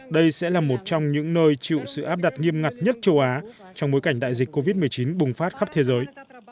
đây sẽ là một trong những nơi chịu sự áp đặt nghiêm ngặt nhất châu á trong bối cảnh đại dịch covid một mươi chín bùng phát khắp thế giới